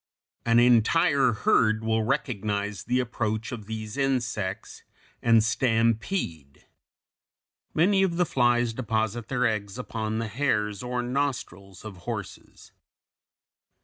An entire herd will recognize the approach of these insects and stampede. Many of the flies deposit their eggs upon the hairs or nostrils of horses.